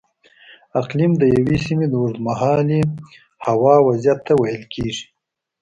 اقلیم د یوې سیمې د اوږدمهالې هوا وضعیت ته ویل کېږي.